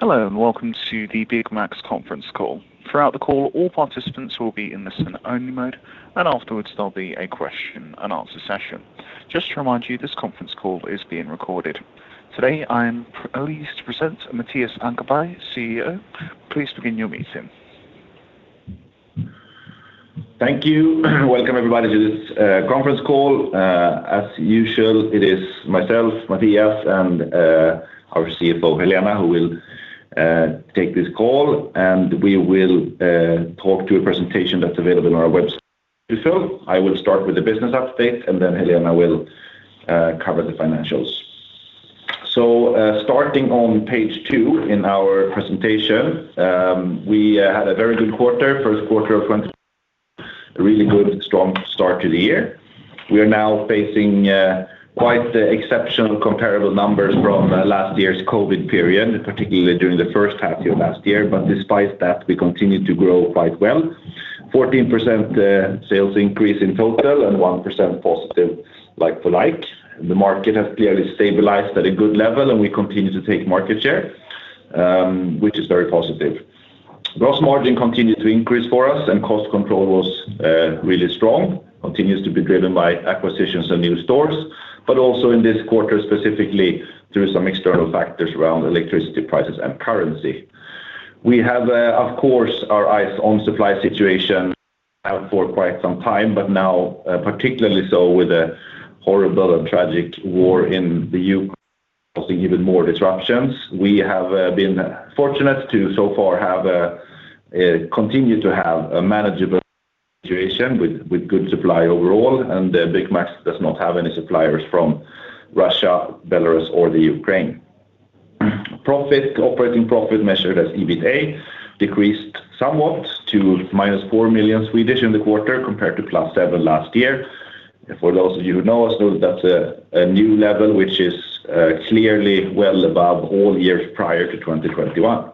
Hello and welcome to the Byggmax conference call. Throughout the call, all participants will be in listen only mode, and afterwards there'll be a question and answer session. Just to remind you, this conference call is being recorded. Today, I am pleased to present Mattias Ankarberg, CEO. Please begin your meeting. Thank you. Welcome everybody to this conference call. As usual, it is myself, Mattias, and our CFO, Helena, who will take this call, and we will talk to a presentation that's available on our website. I will start with the business update and then Helena will cover the financials. Starting on page two in our presentation, we had a very good quarter, a really good strong start to the year. We are now facing quite the exceptional comparable numbers from last year's COVID period, particularly during the first half of last year. Despite that, we continue to grow quite well. 14% sales increase in total and 1% positive like-for-like. The market has clearly stabilized at a good level, and we continue to take market share, which is very positive. Gross margin continued to increase for us and cost control was really strong. Continues to be driven by acquisitions and new stores, but also in this quarter, specifically through some external factors around electricity prices and currency. We have, of course, our eyes on supply situation for quite some time, but now particularly so with a horrible and tragic war in the Ukraine causing even more disruptions. We have been fortunate to so far continue to have a manageable situation with good supply overall. Byggmax does not have any suppliers from Russia, Belarus or the Ukraine. Operating profit measured as EBITDA decreased somewhat to -4 million in the quarter compared to +7 million last year. For those of you who know us, that's a new level which is clearly well above all years prior to 2021.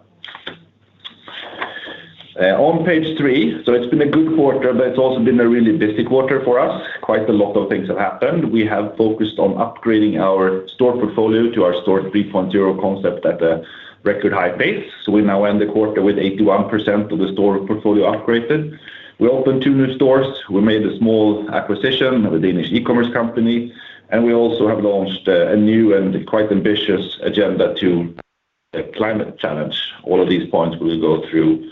On page three. It's been a good quarter, but it's also been a really busy quarter for us. Quite a lot of things have happened. We have focused on upgrading our store portfolio to our Store 3.0 concept at a record high pace. We now end the quarter with 81% of the store portfolio upgraded. We opened two new stores. We made a small acquisition of a Danish e-commerce company, and we also have launched a new and quite ambitious agenda to the climate challenge. All of these points we will go through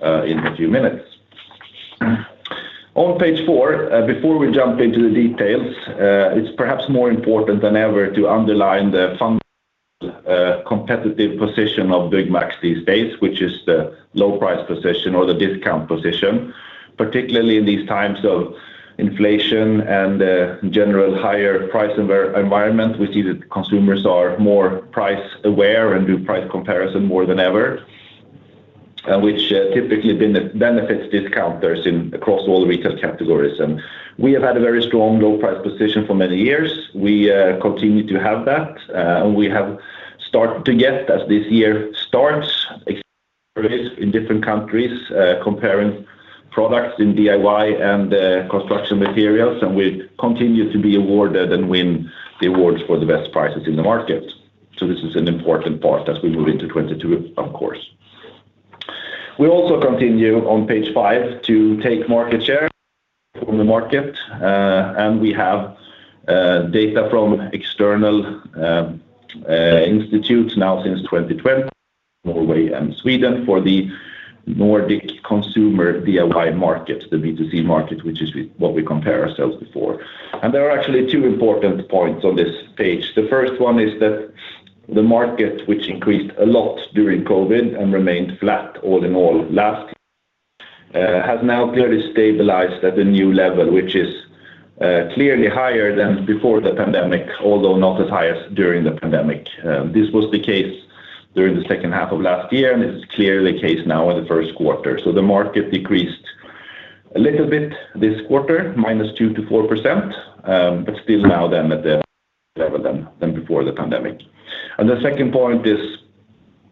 in a few minutes. On page four, before we jump into the details, it's perhaps more important than ever to underline the fundamental competitive position of Byggmax these days, which is the low price position or the discount position, particularly in these times of inflation and general higher price environment. We see that consumers are more price aware and do price comparison more than ever, which typically benefits discounters across all the retail categories. We have had a very strong low price position for many years. We continue to have that, and we have started to get as this year starts, experience in different countries, comparing products in DIY and construction materials. We continue to be awarded and win the awards for the best prices in the market. This is an important part as we move into 2022 of course. We also continue on page five to take market share from the market. We have data from external institutes now since 2020, Norway and Sweden for the Nordic Consumer DIY market, the B2C market, which is what we compare ourselves before. There are actually two important points on this page. The first one is that the market, which increased a lot during COVID and remained flat all in all last year, has now clearly stabilized at a new level, which is clearly higher than before the pandemic although not as high as during the pandemic. This was the case during the second half of last year, and this is clearly the case now in the first quarter. The market decreased a little bit this quarter, -2% to -4%, but still at the level that before the pandemic. The second point is,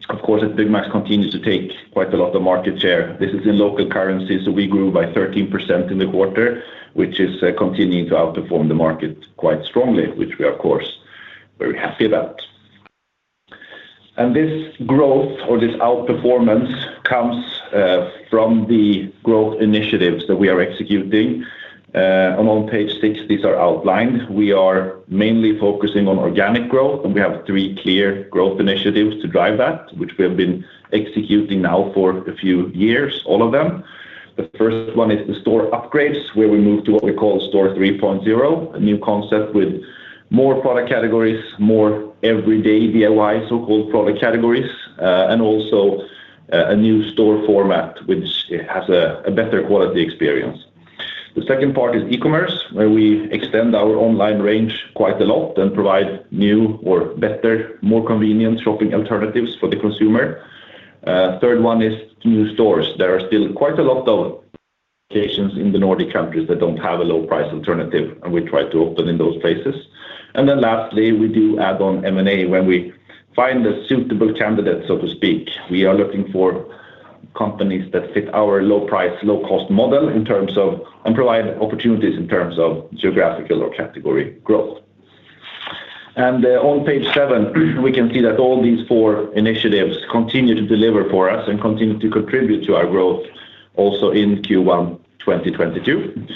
of course, that Byggmax continues to take quite a lot of market share. This is in local currency. We grew by 13% in the quarter, which is continuing to outperform the market quite strongly, which we are of course very happy about. This growth or this outperformance comes from the growth initiatives that we are executing. On page six, these are outlined. We are mainly focusing on organic growth, and we have three clear growth initiatives to drive that which we have been executing now for a few years, all of them. The first one is the store upgrades, where we move to what we call Store 3.0, a new concept with more product categories, more everyday DIY, so-called product categories, and also a new store format which has a better quality experience. The second part is e-commerce, where we extend our online range quite a lot and provide new or better, more convenient shopping alternatives for the consumer. Third one is new stores. There are still quite a lot of locations in the Nordic countries that don't have a low price alternative, and we try to open in those places. Lastly, we do add on M&A when we find a suitable candidate, so to speak. We are looking for companies that fit our low price, low cost model in terms of and provide opportunities in terms of geographical or category growth. On page seven, we can see that all these four initiatives continue to deliver for us and continue to contribute to our growth also in Q1 2022.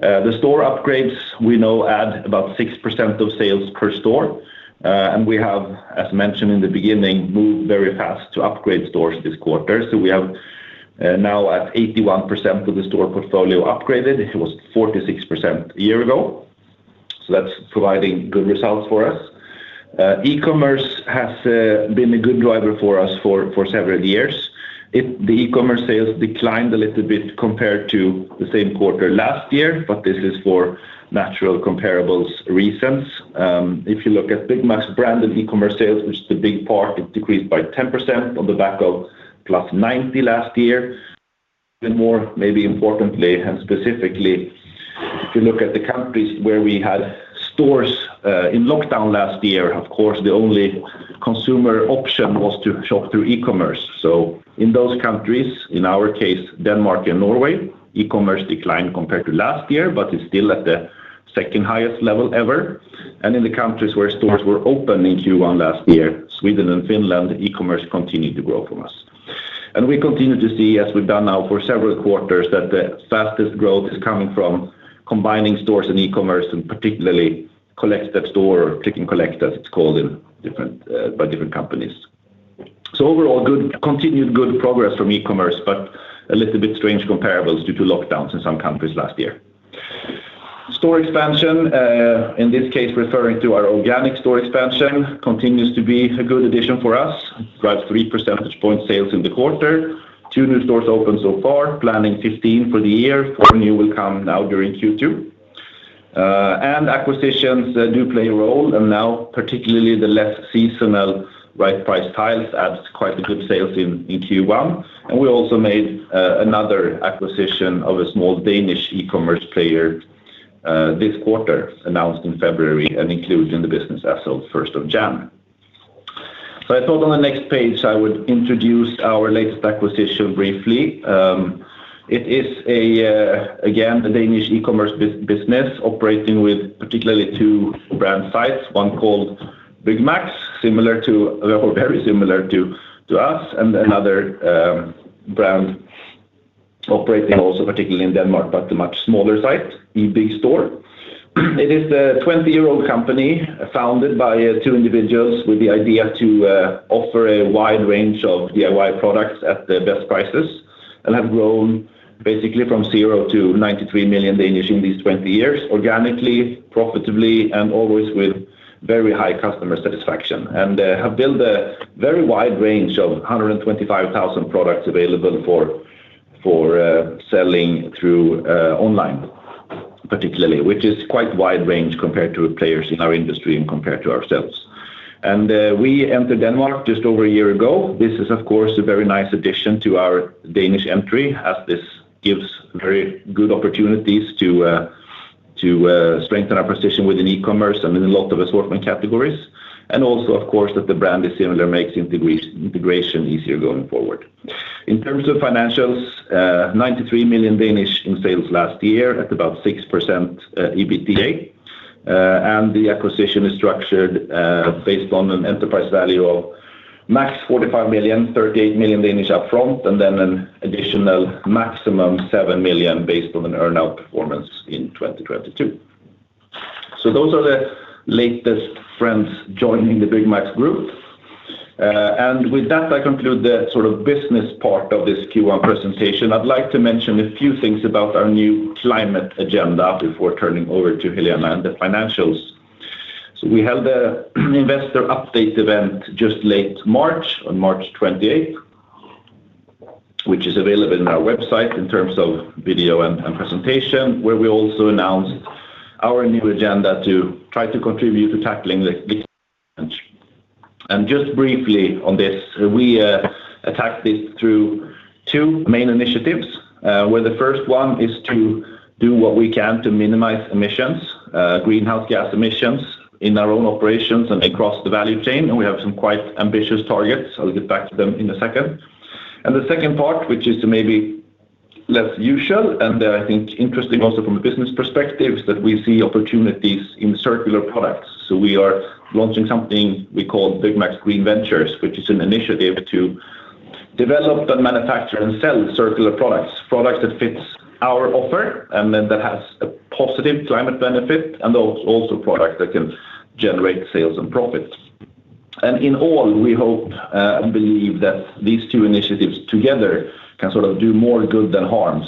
The store upgrades we know add about 6% of sales per store. We have, as mentioned in the beginning, moved very fast to upgrade stores this quarter. We have now at 81% of the store portfolio upgraded. It was 46% a year ago. That's providing good results for us. E-commerce has been a good driver for us for several years. The e-commerce sales declined a little bit compared to the same quarter last year, but this is for natural comparables reasons. If you look at Byggmax's brand of e-commerce sales, which is the big part, it decreased by 10% on the back of +90 last year. More, maybe importantly and specifically, if you look at the countries where we had stores in lockdown last year, of course, the only consumer option was to shop through e-commerce. In those countries, in our case, Denmark and Norway, e-commerce declined compared to last year, but it's still at the second highest level ever. In the countries where stores were open in Q1 last year, Sweden and Finland, e-commerce continued to grow from us. We continue to see, as we've done now for several quarters, that the fastest growth is coming from combining stores and e-commerce, and particularly collect at store or click and collect, as it's called by different companies. Overall, good continued good progress from e-commerce, but a little bit strange comparables due to lockdowns in some countries last year. Store expansion, in this case, referring to our organic store expansion, continues to be a good addition for us. Drives 3 percentage points sales in the quarter. Two new stores open so far, planning 15 for the year. Four new will come now during Q2. Acquisitions do play a role, and now particularly the less seasonal Right Price Tiles adds quite good sales in Q1. We also made another acquisition of a small Danish e-commerce player, this quarter, announced in February and included in the business as of first of January. I thought on the next page, I would introduce our latest acquisition briefly. It is again a Danish e-commerce business operating with particularly two brand sites, one called Byggmax, similar to or very similar to us, and another brand operating also particularly in Denmark, but a much smaller site, e-bygstore. It is a 20-year-old company founded by two individuals with the idea to offer a wide range of DIY products at the best prices and have grown basically from zero to 93 million in these 20 years, organically, profitably, and always with very high customer satisfaction, have built a very wide range of 125,000 products available for selling through online particularly, which is quite wide range compared to players in our industry and compared to ourselves. We entered Denmark just over a year ago. This is, of course, a very nice addition to our Danish entry, as this gives very good opportunities to strengthen our position within e-commerce and in a lot of assortment categories. Also, of course, that the brand is similar makes integration easier going forward. In terms of financials, 93 million in sales last year at about 6% EBITDA. The acquisition is structured based on an enterprise value of max 45 million, 38 million up front, and then an additional maximum 7 million based on an earn-out performance in 2022. Those are the latest friends joining the Byggmax Group. With that, I conclude the sort of business part of this Q1 presentation. I'd like to mention a few things about our new climate agenda before turning over to Helena and the financials. We held an investor update event just late March, on March 28, which is available on our website in terms of video and presentation, where we also announced our new agenda to try to contribute to tackling the climate challenge. Just briefly on this, we tackle this through two main initiatives, where the first one is to do what we can to minimize emissions, greenhouse gas emissions in our own operations and across the value chain. We have some quite ambitious targets. I'll get back to them in a second. The second part, which is maybe less usual, and I think interesting also from a business perspective, is that we see opportunities in circular products. We are launching something we call Byggmax Green Ventures, which is an initiative to develop and manufacture and sell circular products that fits our offer and then that has a positive climate benefit and also products that can generate sales and profits. And in all, we hope and believe that these two initiatives together can sort of do more good than harm.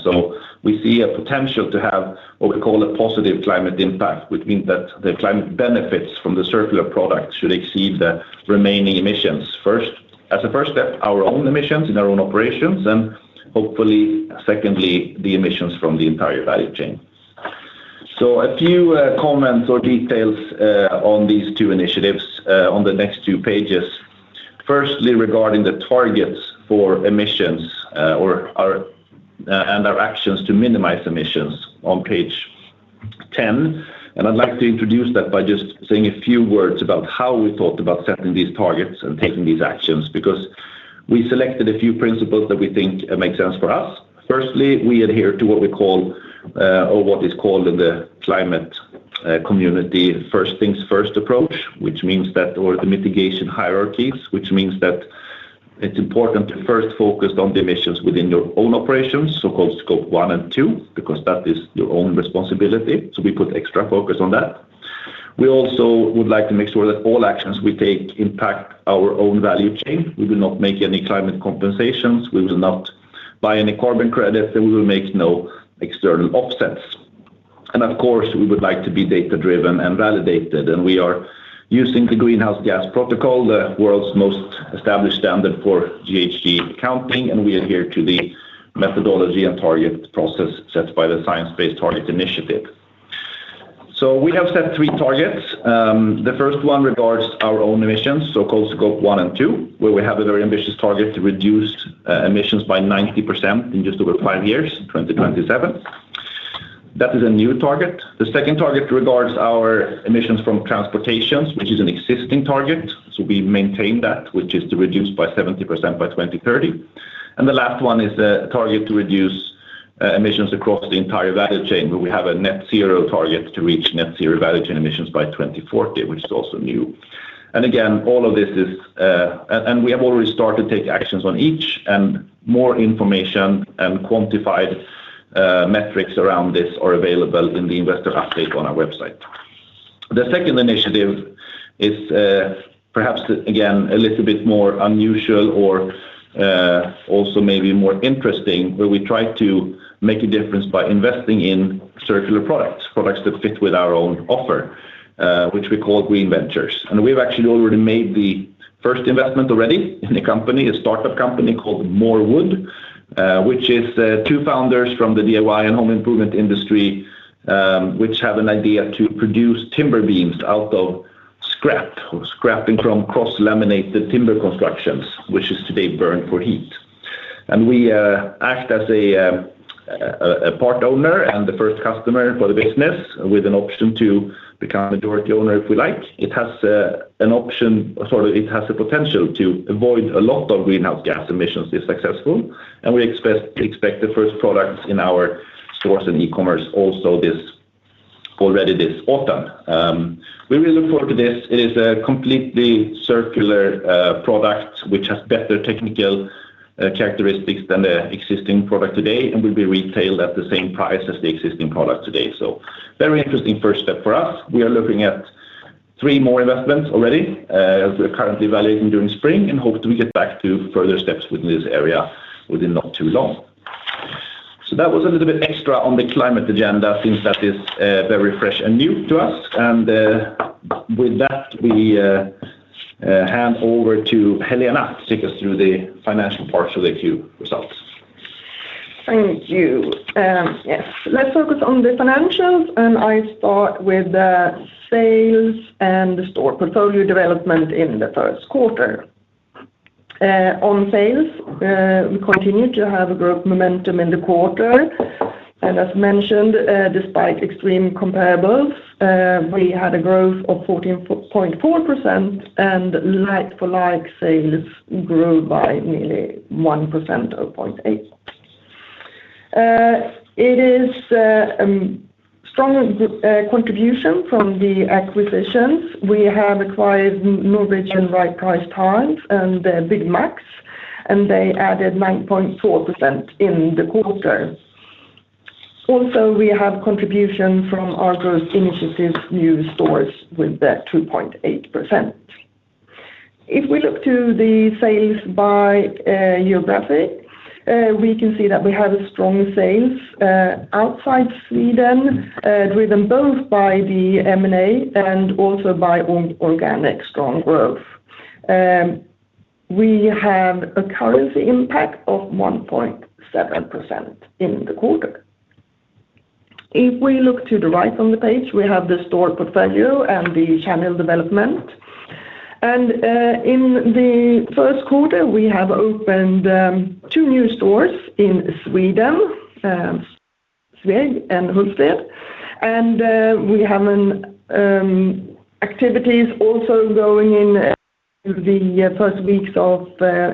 We see a potential to have what we call a positive climate impact, which means that the climate benefits from the circular products should exceed the remaining emissions. First, as a first step, our own emissions in our own operations, and hopefully, secondly, the emissions from the entire value chain. A few comments or details on these two initiatives on the next two pages. Firstly, regarding the targets for emissions and our actions to minimize emissions on page 10, I'd like to introduce that by just saying a few words about how we thought about setting these targets and taking these actions because we selected a few principles that we think make sense for us. Firstly, we adhere to what we call or what is called in the climate community first things first approach, which means that or the mitigation hierarchy, which means that it's important to first focus on the emissions within your own operations, so-called Scope 1 and 2, because that is your own responsibility, so we put extra focus on that. We also would like to make sure that all actions we take impact our own value chain. We will not make any climate compensations. We will not buy any carbon credits, and we will make no external offsets. Of course, we would like to be data-driven and validated, and we are using the Greenhouse Gas Protocol, the world's most established standard for GHG accounting, and we adhere to the methodology and target process set by the Science Based Targets initiative. We have set three targets. The first one regards our own emissions, so-called Scope 1 and 2, where we have a very ambitious target to reduce emissions by 90% in just over five years, 2027. That is a new target. The second target regards our emissions from transportation, which is an existing target, so we maintain that, which is to reduce by 70% by 2030. The last one is a target to reduce emissions across the entire value chain, where we have a net zero target to reach net zero value chain emissions by 2040, which is also new. Again, all of this is and we have already started to take actions on each and more information and quantified metrics around this are available in the investor update on our website. The second initiative is perhaps, again, a little bit more unusual or also maybe more interesting, where we try to make a difference by investing in circular products that fit with our own offer, which we call Green Ventures. We've actually already made the first investment in a company, a startup company called MoreWood, which is two founders from the DIY and home improvement industry, which have an idea to produce timber beams out of scrap from cross-laminated timber constructions, which is today burned for heat. We act as a part owner and the first customer for the business with an option to become a majority owner if we like. It has the potential to avoid a lot of greenhouse gas emissions if successful, and we expect the first products in our stores and e-commerce already this autumn. We really look forward to this. It is a completely circular product which has better technical characteristics than the existing product today and will be retailed at the same price as the existing product today. Very interesting first step for us. We are looking at three more investments already as we're currently evaluating during spring, and hope to get back to further steps within this area within not too long. That was a little bit extra on the climate agenda since that is very fresh and new to us. With that, we hand over to Helena to take us through the financial parts of the Q results. Thank you. Yes. Let's focus on the financials, and I start with the sales and the store portfolio development in the first quarter. On sales, we continued to have a growth momentum in the quarter. As mentioned, despite extreme comparables, we had a growth of 14.4% and like-for-like sales grew by nearly 1% or 0.8. It is strong contribution from the acquisitions. We have acquired Norwegian Right Price Tiles and Byggmax, and they added 9.4% in the quarter. Also, we have contribution from our growth initiatives new stores with 2.8%. If we look to the sales by geographic, we can see that we had strong sales outside Sweden, driven both by the M&A and also by organic strong growth. We have a currency impact of 1.7% in the quarter. If we look to the right on the page, we have the store portfolio and the channel development. In the first quarter, we have opened two new stores in Sweden, Sveg and Hultsfred. We have activities also going in the first weeks of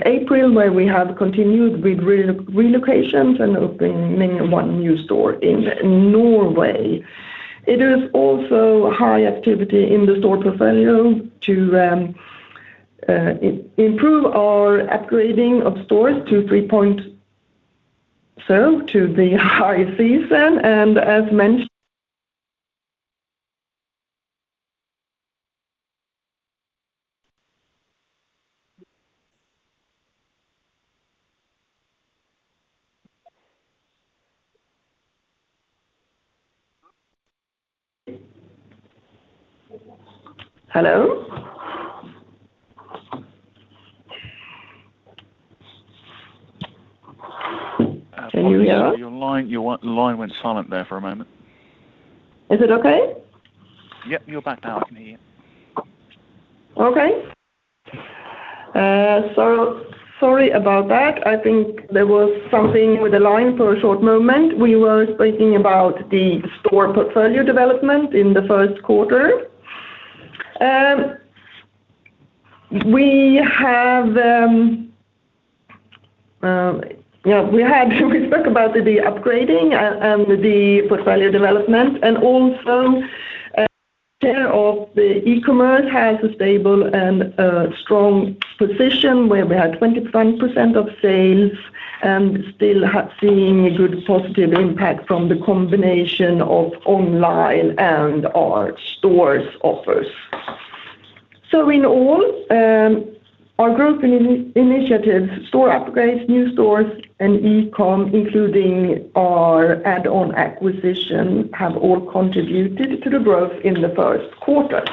April, where we have continued with relocations and opening 1 new store in Norway. It is also high activity in the store portfolio to improve our upgrading of stores to Store 3.0 to the high season. As mentioned. Hello? Can you hear me? Your line went silent there for a moment. Is it okay? Yep, you're back now. I can hear you. Okay. Sorry about that. I think there was something with the line for a short moment. We were speaking about the store portfolio development in the first quarter. We spoke about the upgrading and the portfolio development and also share of the e-commerce has a stable and a strong position where we had 25% of sales and still have seen a good positive impact from the combination of online and our stores offers. In all, our growth initiative store upgrades, new stores and eCom including our add-on acquisition have all contributed to the growth in the first quarter.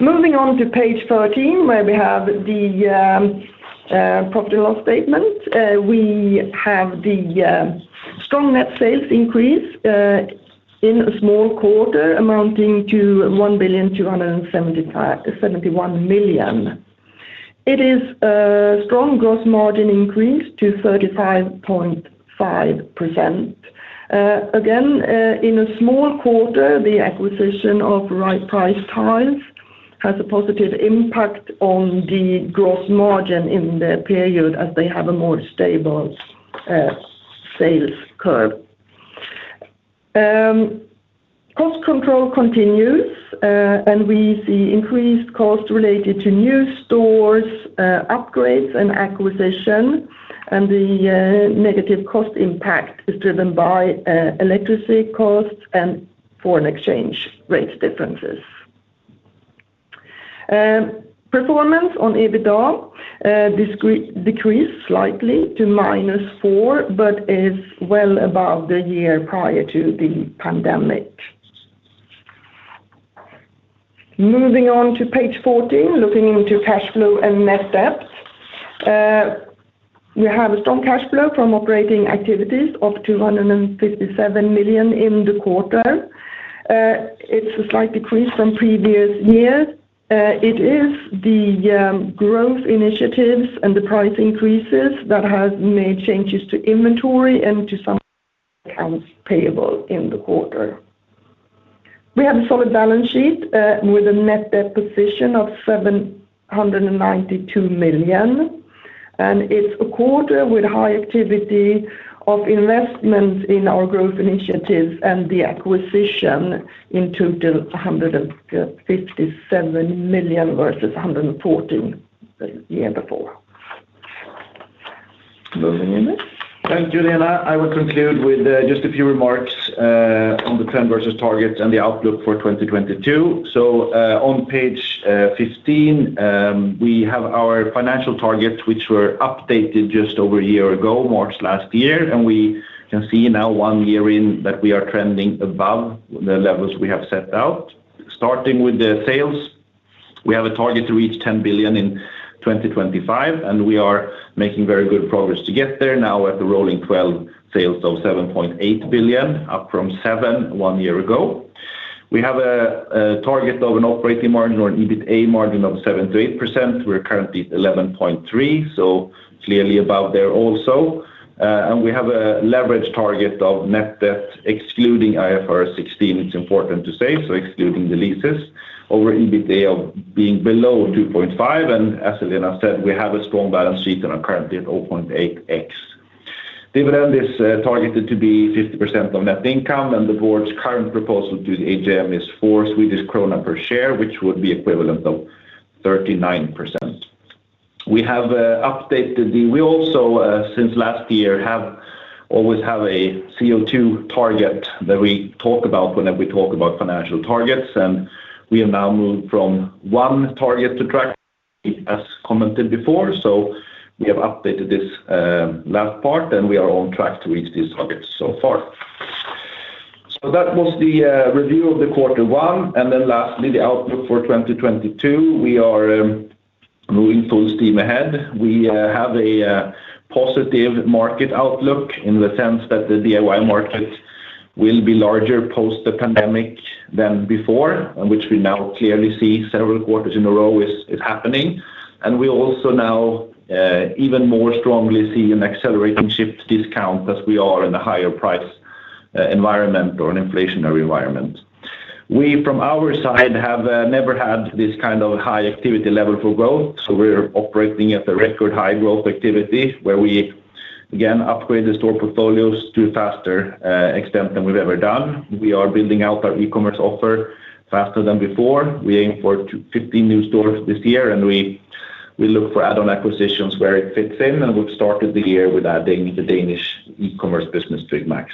Moving on to page 13 where we have the profit and loss statement. We have the strong net sales increase in a small quarter amounting to 1,275.71 million. It is a strong gross margin increase to 35.5%. Again, in a small quarter the acquisition of Right Price Tiles has a positive impact on the gross margin in the period as they have a more stable sales curve. Cost control continues, and we see increased cost related to new stores, upgrades and acquisition, and the negative cost impact is driven by electricity costs and foreign exchange rates differences. Performance on EBITDA decreased slightly to -4 million but is well above the year prior to the pandemic. Moving on to page 14, looking into cash flow and net debt. We have a strong cash flow from operating activities of 257 million in the quarter. It's a slight decrease from previous years. It is the growth initiatives and the price increases that has made changes to inventory and to some accounts payable in the quarter. We have a solid balance sheet with a net debt position of 792 million, and it's a quarter with high activity of investments in our growth initiatives and the acquisition in total of 157 million versus 114 million the year before. Moving, Emil. Thanks, Helena. I will conclude with just a few remarks on the trend versus targets and the outlook for 2022. On page 15, we have our financial targets which were updated just over a year ago, March last year. We can see now one year in that we are trending above the levels we have set out. Starting with the sales, we have a target to reach 10 billion in 2025, and we are making very good progress to get there now at the rolling twelve sales of 7.8 billion, up from 7 billion one year ago. We have a target of an operating margin or an EBITA margin of 7%-8%. We're currently at 11.3%, so clearly above there also. We have a leverage target of net debt excluding IFRS 16. It's important to say, so excluding the leases over EBITA of being below 2.5. As Helena said, we have a strong balance sheet and are currently at 0.8x. Dividend is targeted to be 50% of net income and the board's current proposal to the AGM is 4 Swedish krona per share which would be equivalent of 39%. We also since last year always have a CO2 target that we talk about whenever we talk about financial targets. We have now moved from one target to track as commented before. We have updated this last part, and we are on track to reach this target so far. That was the review of the quarter one, and then lastly, the outlook for 2022. We are moving full steam ahead. We have a positive market outlook in the sense that the DIY market will be larger post the pandemic than before, and which we now clearly see several quarters in a row is happening. We also now even more strongly see an accelerating shift to discount as we are in a higher price environment or an inflationary environment. We from our side have never had this kind of high activity level for growth. We're operating at the record high growth activity where we again upgrade the store portfolios to faster extent than we've ever done. We are building out our e-commerce offer faster than before. We aim for 15 new stores this year and we look for add-on acquisitions where it fits in, and we've started the year with adding the Danish e-commerce business to Byggmax.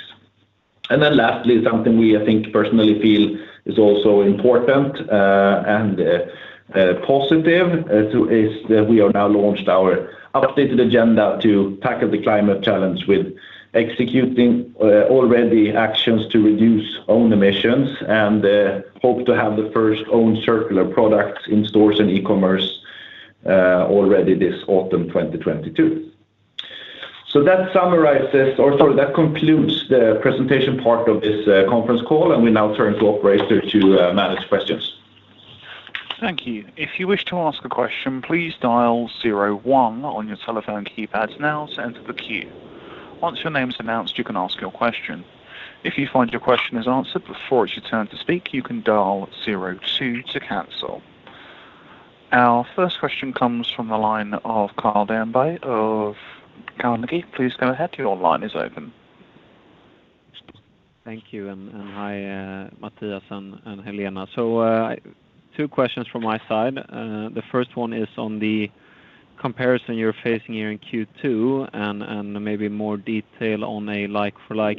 Then lastly, something I think personally feel is also important and positive too is that we have now launched our updated agenda to tackle the climate challenge with executing already actions to reduce own emissions and hope to have the first own circular products in stores and e-commerce already this autumn 2022. That summarizes, or sorry, that concludes the presentation part of this conference call, and we now turn to operator to manage questions. Thank you. If you wish to ask a question, please dial zero one on your telephone keypads now to enter the queue. Once your name's announced, you can ask your question. If you find your question is answered before it's your turn to speak, you can dial zero two to cancel. Our first question comes from the line of Karl Sandlund of Carnegie. Please go ahead. Your line is open. Thank you. Hi, Mattias and Helena. Two questions from my side. The first one is on the comparison you're facing here in Q2 and maybe more detail on a like-for-like.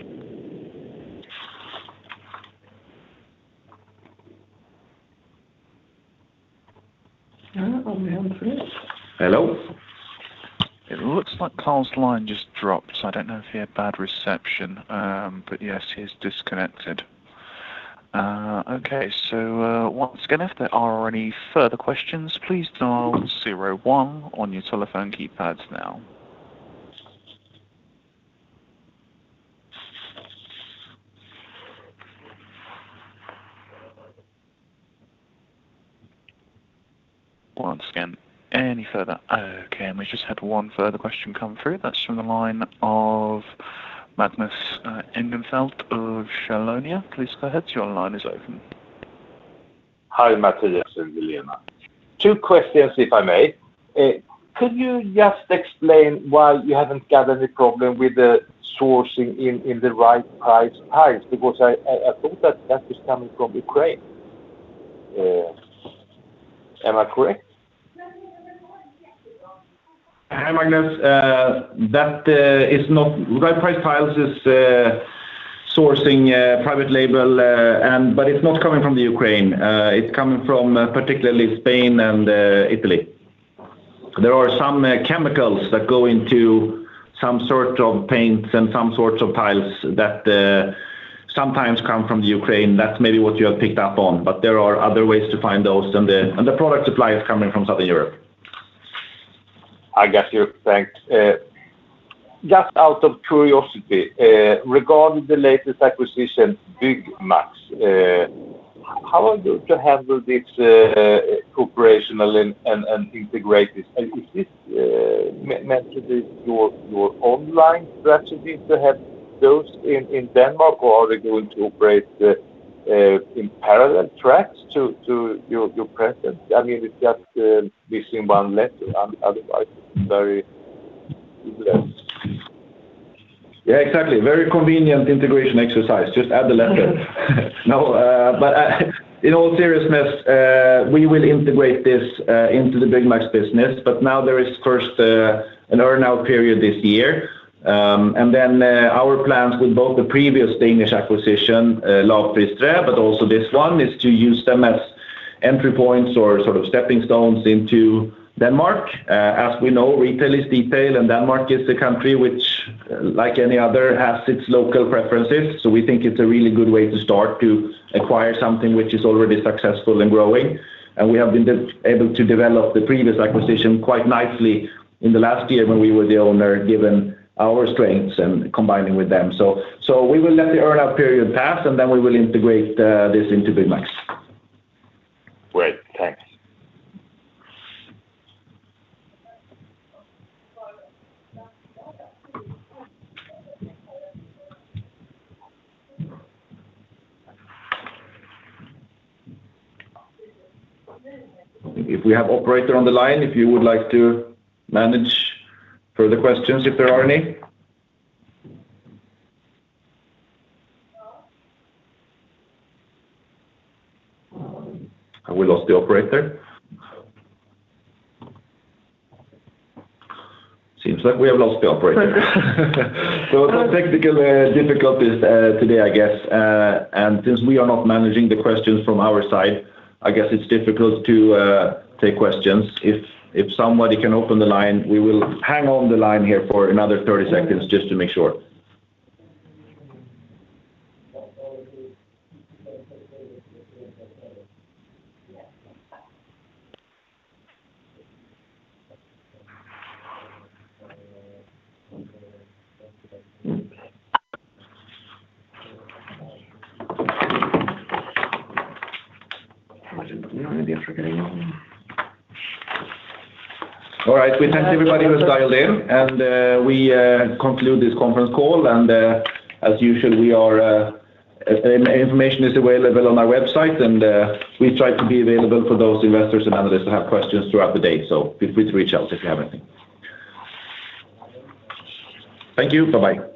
Hello? It looks like Karl's line just dropped. I don't know if he had bad reception. Yes, he's disconnected. Okay. Once again, if there are any further questions, please dial zero one on your telephone keypads now. Okay, we just had one further question come through. That's from the line of Magnus Angenfelt of Sjölund. Please go ahead. Your line is open. Hi, Mattias and Helena. Two questions, if I may. Could you just explain why you haven't got any problem with the sourcing in the Right Price Tiles? Because I think that is coming from Ukraine. Am I correct? Hi, Magnus. That is not. Right Price Tiles is sourcing private label, but it's not coming from the Ukraine. It's coming from particularly Spain and Italy. There are some chemicals that go into some sort of paints and some sorts of tiles that sometimes come from the Ukraine. That's maybe what you have picked up on, but there are other ways to find those. The product supply is coming from Southern Europe. I got you. Thanks. Just out of curiosity, regarding the latest acquisition, BygMax, how are you to handle this acquisition and integrate this? Is this matched with your online strategy to have those in Denmark, or are they going to operate in parallel tracks to your presence? I mean, it's just missing one letter. Otherwise, it's very Yeah, exactly. Very convenient integration exercise. Just add the letter. In all seriousness, we will integrate this into the Byggmax business, but now there is first an earn-out period this year. Our plans with both the previous Danish acquisition, Lavpristræ, but also this one, is to use them as entry points or sort of stepping stones into Denmark. As we know, retail is detail, and Denmark is a country which, like any other, has its local preferences. We think it's a really good way to start to acquire something which is already successful and growing. We have been able to develop the previous acquisition quite nicely in the last year when we were the owner, given our strengths and combining with them. We will let the earn-out period pass, and then we will integrate this into Byggmax. Great. Thanks. If we have operator on the line, if you would like to manage further questions, if there are any. Have we lost the operator? Seems like we have lost the operator. Technical difficulties today, I guess. Since we are not managing the questions from our side, I guess it's difficult to take questions. If somebody can open the line, we will hang on the line here for another 30 seconds just to make sure. All right. We thank everybody who's dialed in, and we conclude this conference call. As usual, information is available on our website, and we try to be available for those investors and analysts that have questions throughout the day. Feel free to reach out if you have anything. Thank you. Bye-bye.